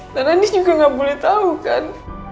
dan anis juga gak boleh tau kan